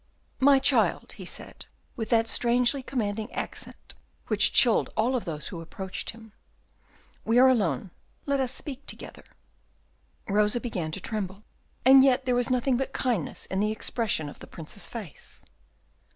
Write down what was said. "My child," he said, with that strangely commanding accent which chilled all those who approached him, "we are alone; let us speak together." Rosa began to tremble, and yet there was nothing but kindness in the expression of the Prince's face.